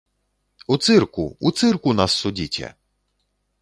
У цырку, у цырку нас судзіце!